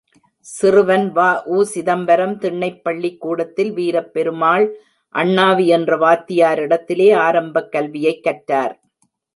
சிறுவன் வ.உ.சிதம்பரம், திண்ணைப் பள்ளிக் கூடத்தில், வீரப்பெருமாள் அண்ணாவி என்ற வாத்தியாரிடத்திலே ஆரம்பக் கல்வியைக் கற்றார்.